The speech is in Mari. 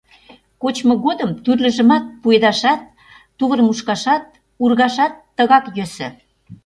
Кочмо годым тӱрлыжымат пуэдашат, тувыр мушкашат, ургашат тыгак йӧсӧ.